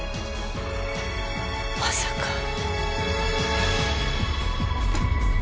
まさか！